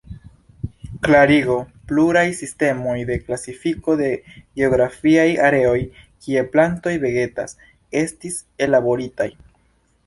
Klarigo Pluraj sistemoj de klasifiko de geografiaj areoj kie plantoj vegetas, estis ellaboritaj.